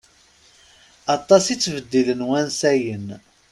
Aṭas i ttbeddilen wansayen.